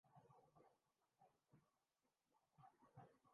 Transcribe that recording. آج کے سیاستدان تو مان لیا بڑے نکمّے اورکرپٹ ہیں